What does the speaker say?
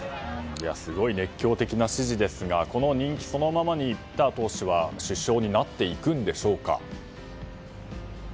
すごい熱狂的な支持ですがその人気そのままにピター党首は首相になっていくんでしょうか。